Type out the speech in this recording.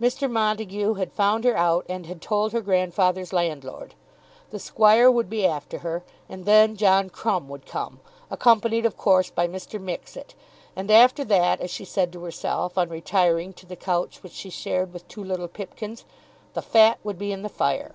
Mr. Montague had found her out, and had told her grandfather's landlord. The Squire would be after her, and then John Crumb would come, accompanied of course by Mr. Mixet, and after that, as she said to herself on retiring to the couch which she shared with two little Pipkins, "the fat would be in the fire."